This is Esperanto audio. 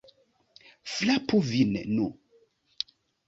Frapu vin, nu!